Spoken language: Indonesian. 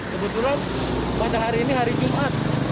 kebetulan pada hari ini hari jumat